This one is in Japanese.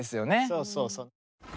そうそうそう。